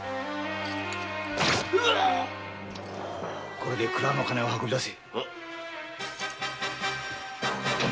・これで蔵の金を運び出せ。